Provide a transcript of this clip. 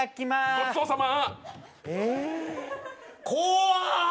ごちそうさま。